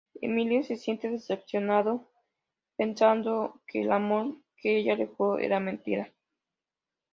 Emilio se siente decepcionado, pensando que el amor que ella le juró era mentira.